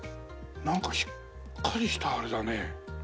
なんかしっかりしたあれだね。